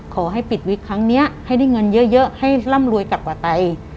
ขอให้ปิดวิกครั้งนี้ให้ได้เงินเยอะให้ร่ำรวยกลับกว่าไต